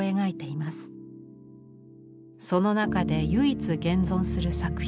その中で唯一現存する作品。